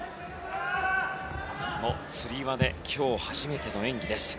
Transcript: このつり輪で今日初めての演技です。